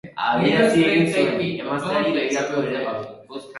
Jakin izan banu, Errealaren partidarako txartelak erosiko nituen.